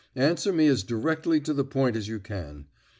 Answer me as directly to the point as you can.